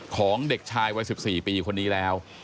ของเด็กชายวัย๑๔ปีคนนี้แล้ว